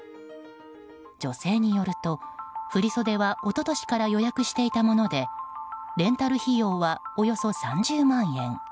女性によると振り袖は一昨年から予約していたものでレンタル費用はおよそ３０万円。